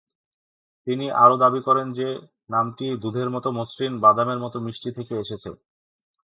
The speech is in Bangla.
তিনি আরও দাবি করেন যে নামটি "দুধের মত মসৃণ, বাদামের মত মিষ্টি" থেকে এসেছে।